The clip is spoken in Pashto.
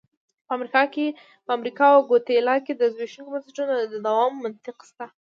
په امریکا او ګواتیلا کې د زبېښونکو بنسټونو د تداوم منطق شته.